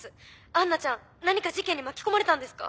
アンナちゃん何か事件に巻き込まれたんですか？